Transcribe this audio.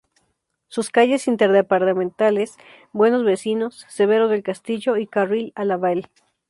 Sus calles inter-departamentales: Buenos vecinos, Severo del Castillo y Carril a Lavalle.